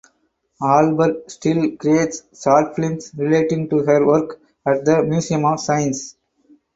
Alpert still creates short films relating to her work at the Museum of Science.